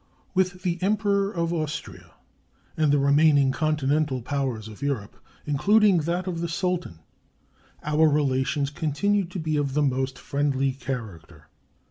With the Emperor of Austria and the remaining continental powers of Europe, including that of the Sultan, our relations continue to be of the most friendly character.